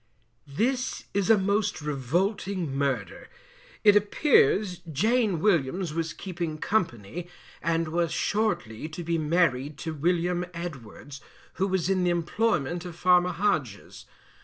This is a most revolting Murder. It appears Jane Williams was keeping company, and was shortly to be married to William Edwards, who was in the employment of Farmer Hodges.